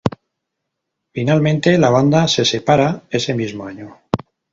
Finalmente, la banda se separa ese mismo año.